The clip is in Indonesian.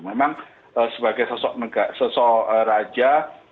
memang sebagai sosok raja